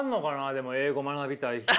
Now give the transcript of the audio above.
でも英語学びたい人。